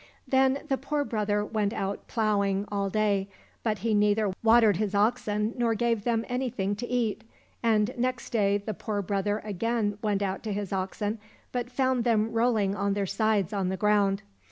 Then the poor brother went out ploughing all day, but he neither watered his oxen nor gave them any thing to eat. And next day the poor brother again went out to his oxen, but found them rolling on their sides on the ground.